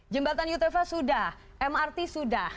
jembatan yutefa sudah mrt sudah